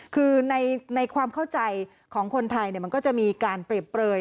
คือในความเข้าใจของคนไทยมันก็จะมีการเปรียบเปลย